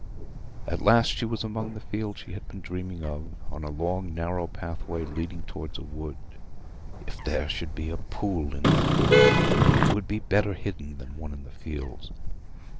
At last she was among the fields she had been dreaming of, on a long narrow pathway leading towards a wood. If there should be a pool in that wood! It would be better hidden than one in the fields.